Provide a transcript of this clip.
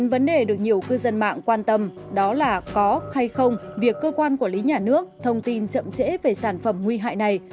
vấn đề được nhiều cư dân mạng quan tâm đó là có hay không việc cơ quan quản lý nhà nước thông tin chậm trễ về sản phẩm nguy hại này